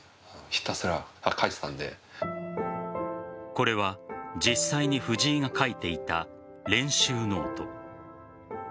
これは実際に藤井が書いていた練習ノート。